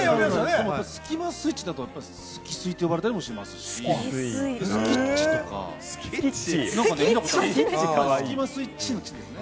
スキマスイッチだと、スキスイって呼ばれたりもしますし、スキッチとか、聞いたことあるんですよ、スキマスイッチの「ッチ」ですね。